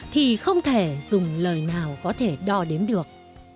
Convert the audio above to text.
thì không thể dùng lời nào có thể đo đếm được